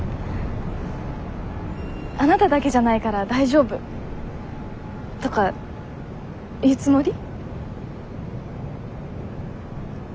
「あなただけじゃないから大丈夫」とか言うつもり？